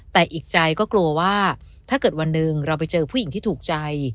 แต่อีกใจก็กลัวว่าถ้าเกิดวันหนึ่งเราไปเจอผู้หญิงที่ถูกใจ